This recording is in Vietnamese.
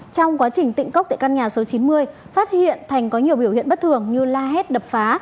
trong quá trình tịnh cốc tại căn nhà số chín mươi phát hiện thành có nhiều biểu hiện bất thường như la hét đập phá